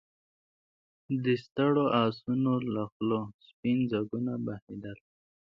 د ستړو آسونو له خولو سپين ځګونه بهېدل.